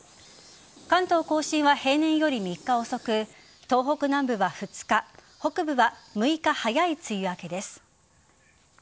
関東甲信は平年より３日遅く東北南部は２日北部は６日早い梅雨明けです。